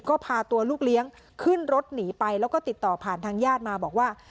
ก็พาตัวลูกเลี้ยงขึ้นรถหนีไปแล้วก็ติดต่อผ่านทางญาติมาบอกว่า